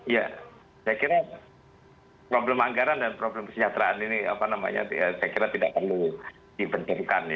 ya saya kira problem anggaran dan problem kesejahteraan ini saya kira tidak perlu dipencetkan